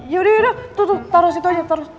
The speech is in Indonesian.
yaudah yaudah tuh tuh taro situ aja taro